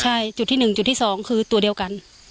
ใช่จุดที่๑จุดที่๒คือตัวเดียวกัน